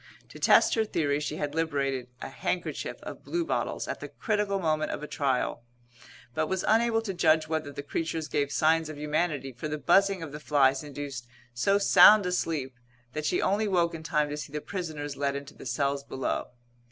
To test her theory she had liberated a handkerchief of bluebottles at the critical moment of a trial, but was unable to judge whether the creatures gave signs of humanity for the buzzing of the flies induced so sound a sleep that she only woke in time to see the prisoners led into the cells below.